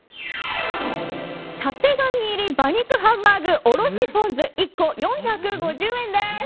タテガミ入り馬肉ハンバーグおろしポン酢１個４５０円です。